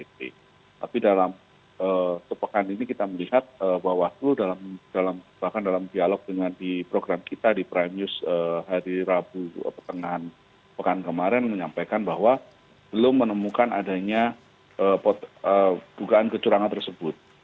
tapi dalam sepekan ini kita melihat bahwa bahkan dalam dialog dengan di program kita di prime news hari rabu pekan kemarin menyampaikan bahwa belum menemukan adanya dugaan kecurangan tersebut